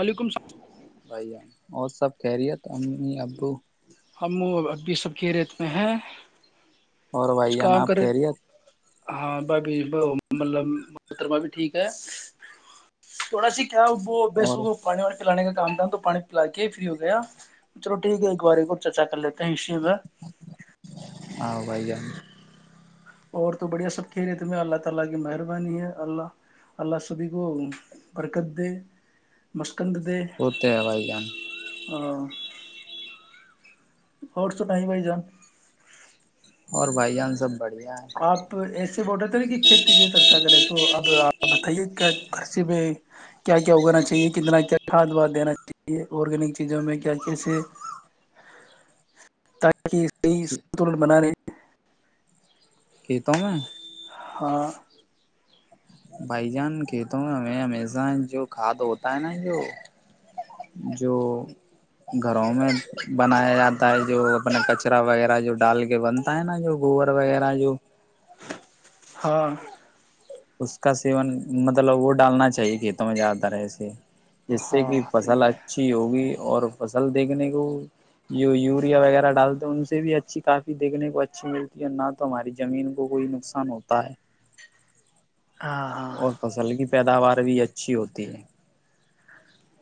بھ السلام بھائی جان اور سب کیریت امی ابو [unintelligible] ہم ابھی سب کے ریت میں ہیں [unintelligible] اور کچھ بھائی ج ن کام آپ کرے کہہ رہیے [unintelligible] ہاں بھابھی ب مطلب محترما بھی ٹھیک ہے تھوڑا س [unintelligible] کیا وہ اور بیسو پانی و پلانے کا [unintelligible] آام دام تو پانی پلا کے فری ہو گیا چلو ٹھیک ہے ایک بار چرچا کر لیتے ہیں [unintelligible] جب [unintelligible] ہاں بھائی جان [unintelligible] ہ [unintelligible] وہتے بائی گان [unintelligible] اور تو نہیں بھائی جان [unintelligible] اور بھائی جان سب [unintelligible] آپ ایسے بول رہے تھے نا کہ کھیتی پہ چرچا کریں تو اب آپ بتائیے کیا خرچے پ کیا کیا اگانا چاہیے کتنا کیا کھاد واد دینا ے آرگینک چیزوں میں کیا کیسے تائی [unintelligible] صی ہے سنتولن بنانے [unintelligible] کہتا میں [unintelligible] ہاں [unintelligible] بھائی جان کھیتوں میں ہمیں ہمیزہ جو کھاد ہوتا ہے نا جو جو گھروں میں بنایا جاتا ہے جو اپنے کچرا وغیرہ جو ڈال کے بنتا ہے نا جو گوبر وغیرہ جو ہاں [unintelligible] اس کا سیون مطلب وہ ڈالنا چاہیے کھیتوں میں جیاد رہےس [unintelligible] جس سے کہ ہاں صحیح فصل ہے اچھی ہوگی [unintelligible] اور فصل دیکھنے کو جو یوریا وغیرہ ڈالتے ہیں ان سے بھی اچھی کافی دیکھنے کو اچھی ملتی ہے نہ تو ہماری زمین کو کوئی نقصان ہوتا ہے [unintelligible] ہاں ہاں اور فصل کی پیداوار [unintelligible] بھی اچھی ہوتی ہے [unintelligible]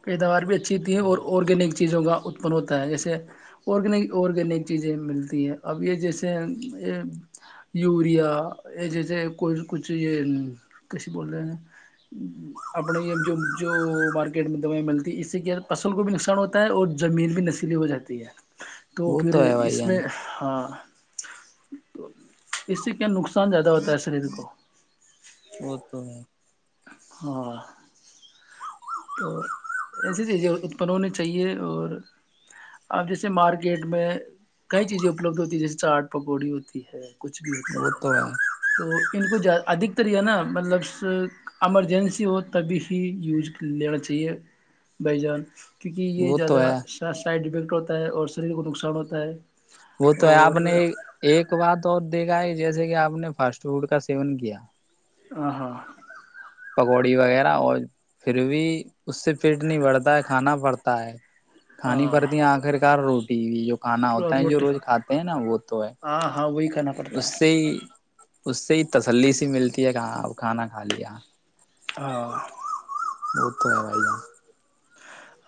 پیداوار بھی اچھی ہوتی ہے اور آرگینک چیزوں کا اتپن ہوتا ہے جیسے آرگینک آرگینک چیزیں ملتی ہیں اب یہ جیسے یوریا یہ جیسے کوئی کچھ یہ کیسی بولتے ہیں اپنے یہ جو جو مارکیٹ یٹ میں دوائیں ملتی ہے اس سے کیا فصل کو بھی نقصان ہوتا ہے اور جمینل بھی نشیلی ہو جاتی ہے تو وہ پھر ہے بھائی اس میں جان ہاں تو اس سے کیا نقصان [unintelligible] سان زیادہ ہوتا ہے سرد کو [unintelligible] وہ تو ہے اور تو ایسی چیزیں اتپن ہونی چاہیے اور اب جیسے مارکیٹ میں کئی چیزیں اپلبدھ ہوتی ہیں جیسے چاٹ پکوڑی ہوتی ہے کچھ بھی ہوتا وہ ہے تو تو ان کو ادھ نا مطلب ایمرجنسی ہو تبھی ہی یوز کر لینا چاہیے بائی جان کیونکہ یہ وہ تو زیادہ ہے سا سائڈفیکٹ ہوتا ہے اور شریر کو نقصان ہوتا ہے وہ تو ہے آپ اور نے ایک بات اور دیکھا ہے جیسے کہ آپ نے فاسٹ فوڈ کا سیون کیا ہ ہ [unintelligible] پکوڑی وغیرہ اور پھر بھی اس سے فٹ نہیں بڑتا ہے کھانا پڑتا ہے کھانی ہاں پڑتی ہیں آخر کار روز ٹی وی جو [unintelligible] کھانا ہوتا ہے جو روٹی روز کھاتے ہیں نا وہ تو ہے ہاں ہاں وہی کھانا پڑتا ہے اس سے ہی اس سے ہی تسلی س ملتی ہے کہاں ا کھانا کھا لیا ہ [unintelligible] وہ تو ہے بی جان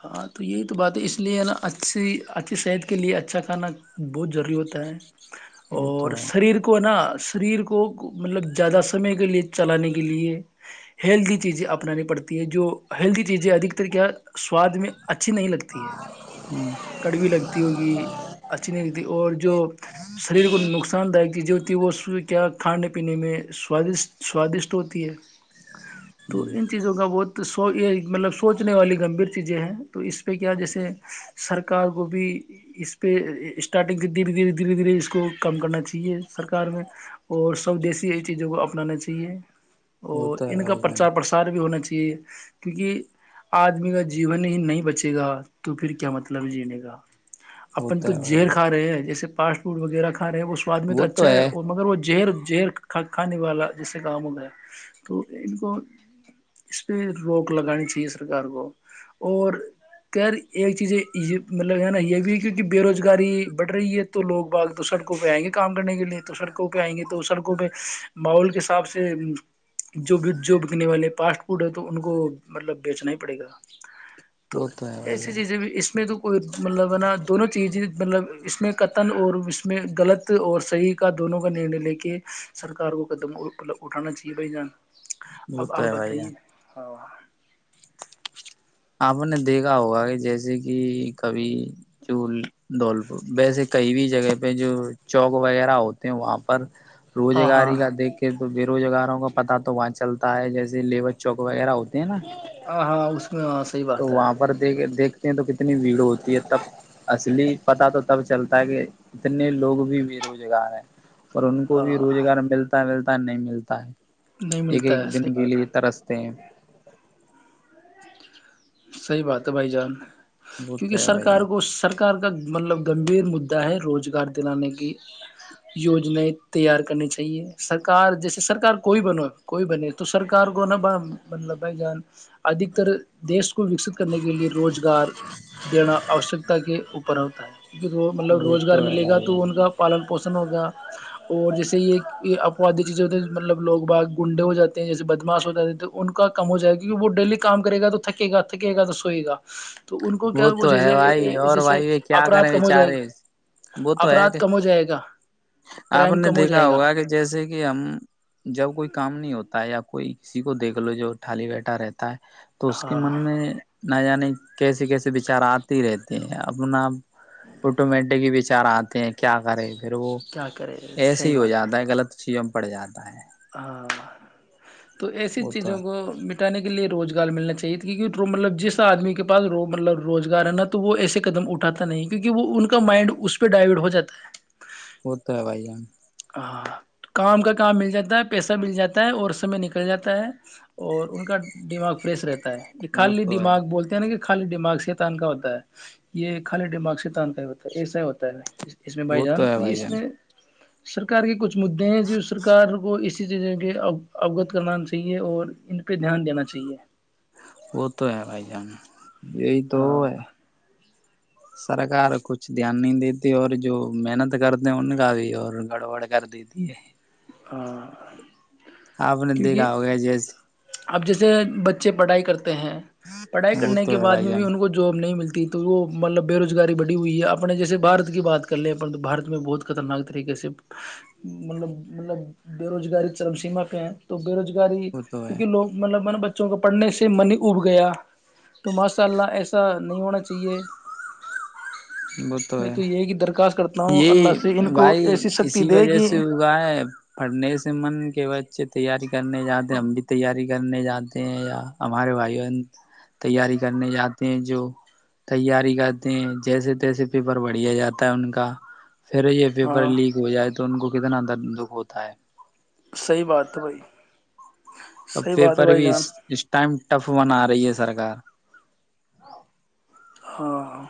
ہاں تو یہی تو بات ہے اس لیے ہے نا اچھی اچھی صحت کے لیے اچھا کھانا بہت ضروری ہوتا ہے وہ اور تو ہے شریر کو نا سریر کو مطلب زیادہ سمے کے لیے چلانے کے لیے ہیلدی چیزیں اپنانی پڑتی ہے جو ہیلدی چیزیں ادکتر کیا سواد میں اچھی نہیں لگتی ہے کڑویی لگتی ہوگی اچھی نہیں لگتی اور جو سریر کو نقصان دائک چیز جو وصو کیا کھانے پینے میں سوادشٹ سوادشٹ ہوتی ہے تو ان چیزوں کا بہت تو سو یہ مطلب سوچنے والی گمبھیر چیزیں ہیں تو اس پہ کیا جیسے سرکار کو بھی اس پہ اسٹارٹنگ سے دھیرے دھیرے دھیرے دھیرے اس کو کم کرنا چاہیے سرکار میں اور سب دیسی چیزوں کو اپنانا چاہیے ہ وہ اور تو ہے ان کا بھائی جان پرچار پرسار بھی ہونا چاہیے کیونکہ آدمی کا جیون ہی نہیں بچے گا تو پھر کیا متلب مطلب جینے کاا وہ اپن تو ہے بھائی زہر جان کھا رہے ہیں جیسے فاٹ فوڈ وغیرہ کھا رہے ہیں وہ سواد میں تو اچھا ہے اور مگر وہ جہر جیہت کھانے والا جسے کام ہو گیا تو ان کو اس پہ روک لگانی چاہیے سرکار کو اور خیر ایک چیزیں یہ مطلب ہے نا یہ بھی ہے کیونکہ بے روزگاری بڑھ رہی ہے تو لوگ باغ تو سڑکوں پہ آئیں گے کام کرنے کے لیے تو سڑکوں پہ آئیں گے تو سڑکوں پہ ماحول کے حساب سے جو بھی جو بکنے والے فاسٹ فوڈ ہے تو ان کو مطلب بیچنا ہی پڑے گا تو وہ ہے بھائی ایسی جان چیزیں بھی اس میں تو [unintelligible] اور مطلب نا دونوں چیزیں مطلب اس میں قتن اور اس میں غلط اور صحیح کا دونوں کا نرنےے لے کے سرکار کو قدم مطلب اٹھانا چاہیے بھائی جان وہ اب تو آپ ہے بھائی یہ بتائیے ہاں آپ نے دیکھا ہوگا کہ جیسے کہ کبھی جو دھول ویسے کئی بھی جگہ پہ جو چوک وغیرہ ہوتے ہیں وہاں پر ہاں روزگاری ہاں کا دیکھ کے تو بے روزگاروں کا پتا تو وہاں چلتا ہے جیسے لیبر چوک وغیرہ ہوتے ہیں نا ہ ہاں ا تو وہاں پر دیکھ دیکھ تو کتنی بھیڑ ہوتی ہے تب اصلی پتا تو تب چلتا ہے کہ اتنے لوگ بھی بے روزگار ہیں اور ان کو بھی ہاں روزگار ملتا ہے ملتا نہیں ملتا ہے نہیں ایک ملتا ہے ایک صحیح دن بات ہے گیلیت رستے صحی بات ہے بھائی جان وہ تو کیونکہ ہے سرک بھائی کو جان سرکار کا مطلب گمبھیر مدعا ہے روزگار دلانے کی یوجنائیں تیار کرنی چاہیے سرکار جیسے سرکار کوئی بن کوئی بنے تو سرکار کو نا ب مطلب بھائی جان ادھکتر دیش کو وکست کرنے کے لیے روزگار دینا آوشکتا کے اوپر ہوتا ہے کیک وہ مطلب روزگار تو ہے ملے گا بھائی تو جان ان کا پالن پوشن ہوگا اور جیسے یہ آوادی مطلب لوگ باغ گنڈے ہو جے ہیں جیسے بدماس ہو جاتے تو ان کا کم ہو جائےا کیونکہ وہ ڈیلی کام کرے گا تو تھکے گا تھکے گا د سوئے گا تو ان کو وہ کیا تو ہے بھائی جیسے اور جیسے بھائی یہ کیا اپرادھ کریں کم ہو جائے گا بیچارے وہ تو ہے اپرادھ کہ کم ہو جائے گا آپ کرائم نے کم ہو دیکھا جائے گا ہوگا کہ جیسے کہ ہم جب کوئی کام نہیں ہوتا ہے آپ کوئی کسی کو دیکھ لو جو تھٹالی بیٹھا رہتا ہے تو اس کے ہاں من میں ن نہیں کیسے کیسے بچار آتے رہتے ہیں اپنا آٹومیٹک ہی بچار آتے ہیں کیا کرے پھر وہ کیا کرے ایسے صحیح ہی ہو بات جاتا ہے غلط چیزوں پڑ جاتا ہے ہاں تو ایسی وہ تو چیزوں ہے کو م ٹ کے لیے روزگار ملنا چاہیے کی مطلب جس آدمی کے پاس مطلب روزگار ہے نا تو وہ ایسے قدم اٹھاتا نہیں کی وہ ان کا مائنڈ اس پہ ڈائیورٹ ہو جا ہے وہ تو ہے بھائی ج ہم ہ کام کا کام مل جاتا ہے پیسہ مل جاتا ہے اور سمے نکل جاتا ہے اور ان کا دماغ فریش رہتا ہے یہ وہ خالی تو ہے دماغ بولتے ہیں نا کہ خالی دماغ سے تان کاا ہوتا ہے یہ خالی دماغ سے تانق ہی ہوتا ہے ایسا ہی ہوتا ہے اس میں بھائی وہ جان ہے تو یہ بھائی اس جان میں سرکار کی کچھ مددے ہیں جو سرار کو اس ک چیز کے اوگت کرنا چاہیے اور ان پہ دھیان دینا چاہیے وہ تو ہے بھائی جان یہی تو ہاں ہے سرکار کچھ دھیان نہیں دیتی اور جو محنت کرتے ہیں ان کا بھی اور گڑبڑ کر دیتی ہے [unintelligible] ہ [unintelligible] آپ نے دیکھا ہوگیا جیسے [unintelligible] اب جیسے بچے پڑھائی کرتے [unintelligible] ہیں پڑھائی وہ کرنے کے تو ہے بعد بھائی میں بھی جان ان کو جاب نہیں ملتی [unintelligible] تھی تو وہ مطلب بےروزگاری بڑھی ہوئی ہے اپنے جیسے بھارت کی بات کر لیں اپن تو بھارت میں بہت خطرناک طریقے سے مطلب مطلب بے روزگاری چرم سیما پہ ہیں تو بے روزگاری اری وہ تو ہے کیونکہ لگ مطلب بچ [unintelligible] بچوں کو پڑھنے سے من ہی اب گیا تو ماشاء اللہ ایسا نہیں ہونا چاہیے [unintelligible] وہ تو میں ہے یہی کی درخواست کرتا ہوں اللہ یہ سے ان کو بھائی ایسی شکتی اسی دے وجہ کہ سے ہوا ہے [unintelligible] پڑھنے سے من کہ بچے [unintelligible] تیاری کرنے جاتے ہیں ہم بھی تیاری کرنے جاتے ہیں یا ہمارے بھائی بہن تیاری کرنے جاتے ہیں جو تیاری کرتے ہیں جیسے ریسیپی پر بڑھیا جاتا ہے ان کا [unintelligible] پھر یہ پیپر ہاں لیک ہو جائے تو ان کو [unintelligible] کتنا دندکھ ہوتا ہے [unintelligible] صحی بات ہے بھائی [unintelligible] اور صحیح بات ہے پیپر بھائی بھی جان اس اس ٹائم ٹف بنا رہی ہے سرکار [unintelligible] ہاں [unintelligible]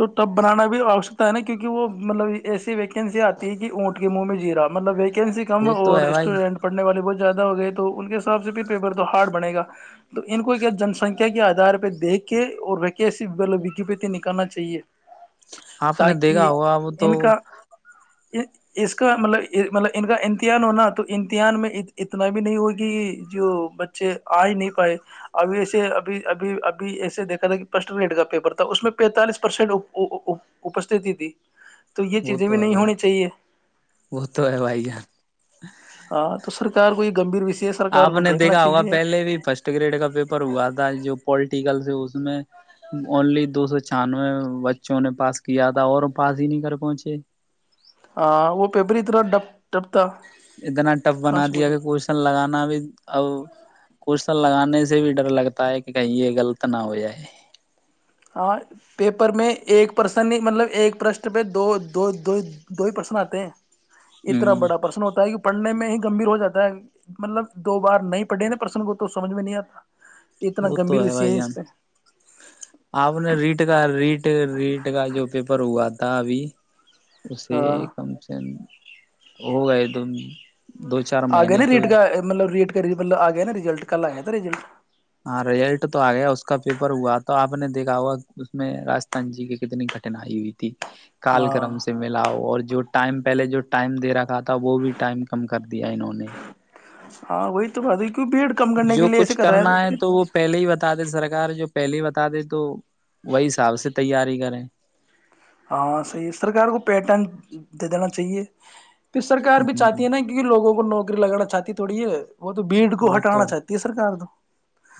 تو تب بنانا بھی آوشکتا ہے نا کیونکہ وہ مطلب ایسی ویکنسی آتی ہے کہ اونٹ کے منہ میں جیرا مطلب ایک [unintelligible] ویکنسی کم وہ تو اور ہے بھائی اسٹوڈنٹ پڑنے والے بہت [unintelligible] زیادہ ہو گئے تو ان کے حساب سے پھر پیپر تو ہارڈ بنے گا [unintelligible] تو ان کو کیا جنسنکھیا [unintelligible] کے آدار پہ دیکھ کے اور وکیسی مطلب وکیپت [unintelligible] نکالنا چاہیے [unintelligible] آپ نے دیکھا تاکہ ہوا ا وہ تو ان کا [unintelligible] اس کا مطلب مطلب ان کا امتحان ہوناا تو امتحان میں اتنا بھی نہیں ہو کہ جو بچے آ ہی نہیں پائے ابھی ایسے ابھی ابھی ابھی ایسے دیکھا تھا کہ فسٹ گریڈ کا پیپر تھا اس میں پینتالیس پرسینٹ اپستتی تھی [unintelligible] وہ تو بھی ہے نہیں بھائی ہونی چاہیے وہ تو ہے بھائی جان [unintelligible] [unintelligible] ہاں تو سکار کوئی گمبھیر [unintelligible] آپ کو نے دیکھنا دیکھا ہوگا چاہیے پہلے بھی فرسٹ گریڈ کا پیپر ہوا تھا جو پالٹیکل [unintelligible] اس میں اونلی دو سو چانوے بچوں نے پاس کیا تھا اور پاس ہی نہیں کر پہنچے [unintelligible] ہاں وہ پیپر اتنا ڈ ڈ [unintelligible] اتنا ٹف بنا دیا کہ کوورن لگانا بھی ا کون [unintelligible] کو لگانے سے بھی ڈر لگتا ہے کہ کہیں یہ غلط نہ ہو جائے [unintelligible] ہاں پیپر میں ایک پرسن مطلب ایک پرشن پہ دو دو ہی پرسن آتے ہیں [unintelligible] اتنا بڑا پرشن ہوتا ہے کہ پڑھنے میں گمبھیر ہو جاتا ہے مطلب دو بار نہیں پڑھے نا پرسن کو تو سمجھ میں نہیں آتا اتنا وہ تو گمبھیر وشی بھائی ہے جان اس پہ آپ نے ریٹ کا ر ریٹ کا جو پیپر ہوا تھا ابھی اسے ہاں کم سے کم ہو گئے دون آ گئے ن ریٹ کاا مطلب ریٹ گری مطلب آ گیا ن رزلٹ کل آیا تھا رزلٹ ہاں رزلٹ تو آ گیا اس کا پیپر ہوا تو آپ نے دیکھا ہوا اس میں رجستھان جی کی کتنی کٹھینائی ہوئی تھی کال ہاں کرم سے ملاؤ اور جو ٹائم پہلے جو ٹائم دے رکھا تھا وہ بھی ٹائم کم کر دیا انہوں نے ہاں وئی تو بدھی جو کچھ کرنا ہے تو وہ پہلے ہی بتا د سرک جو پہلے بتا دیں تو وہی حساب سے تیاری کریں ہاں صحیح ہے سرکار کو پیٹرن دے دین چاہیے تو سرکار بھی چاہتی ہے نا کیک لوگوں کو نو ری لگانا چاہتی تھوڑی ہے وہ تو بھیڑ کو وہ ہٹانا تو چاہتی ہے سرکار تو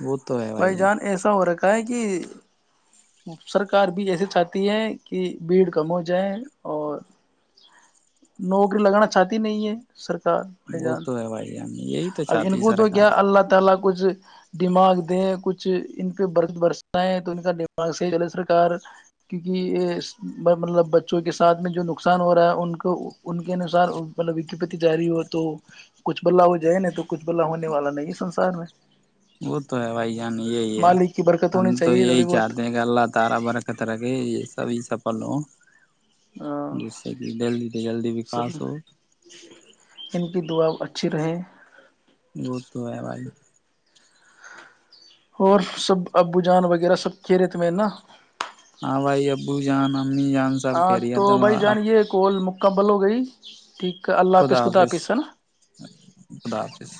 وہ تو ہے بھائی جان ایسا ہو رہا ہے کہیں کہ سرکار بھی ایسے چاہتی ہے کہ بھیڑ کم ہو جائے اور نوکری لگانا چاہتی نہیں ہے سر بھ وہ جان تو ہے بھائی جان یہی تو اب ان چاہتی ہے کو تو کیا سرکار اللہ تعالی کو کچھ دماغ دیں کچھ ان پہ برد برسیں تو ان کا دماغ صحیح چلے سرکار کیونکہ یہ مطلب بچوں کے سھ میں جو نقصان ہو رہا ہے ان کو ان کے انسار مطلب ویوپتی جاری ہو تو کچھ بلا ہو جائے نا تو کچھ بلا ہونے والا نہیں ہے سنسار میں وہ تو ہے بھائی جان یہی ہے مالک کی برکت ہم ہونی تو چاہیے یہی تھوڑی بہت چاہتے ہیں کہ اللہ تعالی برکت رکھے یہ سبھی سب ہلو جی سے کہ جلدی سے جلدی سب وکاس ہوت ان دعا اچھی رہے وہ تو ہے بھائی اور سب ابو جان وغیرہ سب کھیرےت میں نا ہاں بھائی ابو جانا ہاں تو بھائی جانے کال مک کبل ہو گئی ٹھیک اللہ خدا حافظ ہے نا خدا حافظ